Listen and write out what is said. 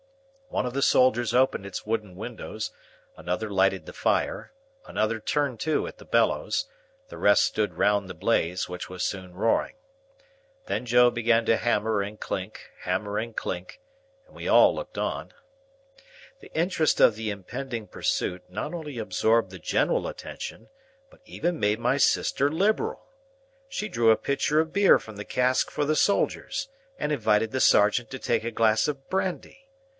One of the soldiers opened its wooden windows, another lighted the fire, another turned to at the bellows, the rest stood round the blaze, which was soon roaring. Then Joe began to hammer and clink, hammer and clink, and we all looked on. The interest of the impending pursuit not only absorbed the general attention, but even made my sister liberal. She drew a pitcher of beer from the cask for the soldiers, and invited the sergeant to take a glass of brandy.